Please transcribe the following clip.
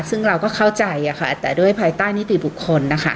ซึ่งเราก็เข้าใจแต่ด้วยภายใต้นิติบุคคลนะคะ